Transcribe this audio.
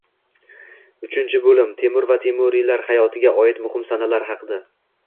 Uchinchi bo‘lim Temur va temuriylar hayotiga oid muhim sanalar haqida